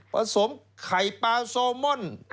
ผสมไข่ปลาซอมอน